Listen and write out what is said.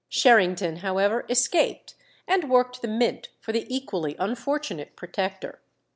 Sherrington, however, escaped, and worked the mint for the equally unfortunate Protector.